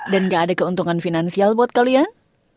dan gak ada keuntungan finansial buat kalian